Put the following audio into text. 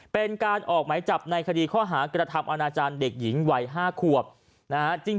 เป็นการออกหมายจับในคดีข้อหากระทำอาณาจารย์เด็กหญิงวัย๕ขวบนะฮะ